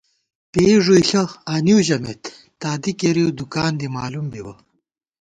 پېئی ݫُوئیݪہ آنِیؤ ژَمېت ، تادِی کېرِیؤ دُکان دی مالُوم بِبہ